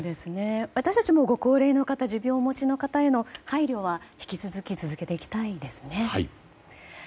私たちもご高齢の方持病をお持ちの方への配慮は引き続き続けていきたいですね。